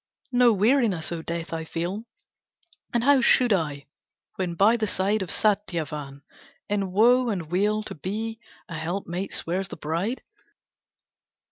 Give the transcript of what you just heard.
"No weariness, O Death, I feel, And how should I, when by the side Of Satyavan? In woe and weal To be a helpmate swears the bride.